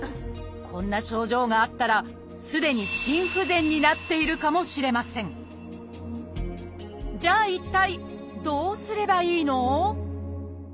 こんな症状があったらすでに心不全になっているかもしれませんじゃあ一体どうすればいいの？